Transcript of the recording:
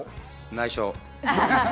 内緒。